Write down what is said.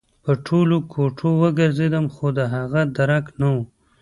په ټولو کوټو وګرځېدم خو د هغه درک نه و